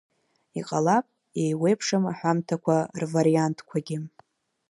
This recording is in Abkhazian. Иҟалап, еиуеиԥшым аҳәамҭақәа рвариантқәагьы.